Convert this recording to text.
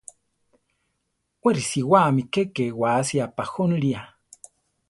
We risiwáme keke wási apajónilia.